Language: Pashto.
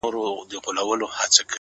گوره اوښكي به در تـــوى كـــــــــړم،